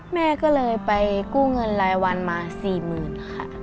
แม่ก็เลยไปกู้เงินรายวันมา๔๐๐๐ค่ะ